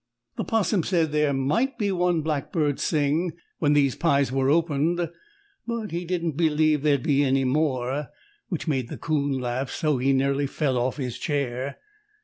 The 'Possum said there might be one black bird sing when these pies were opened, but he didn't b'lieve there'd be any more, which made the 'Coon laugh so he nearly fell off his chair.